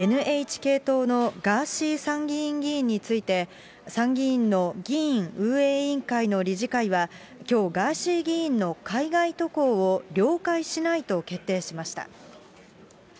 国会を欠席し続けているＮＨＫ党のガーシー参議院議員について、参議院の議院運営委員会の理事会は、きょうガーシー議員の海外渡航を了解しないと決定しました。